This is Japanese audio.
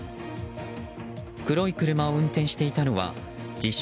黒い車を運転していたのは自称